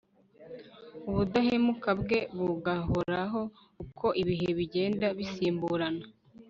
ubudahemuka bwe bugahoraho uko ibihe bigenda bisimburana